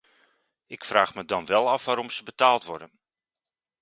Ik vraag me dan wel af waarom ze wel betaald worden.